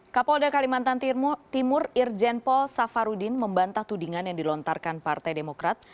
kapolda kalimantan timur irjen paul safarudin membantah tudingan yang dilontarkan partai demokrat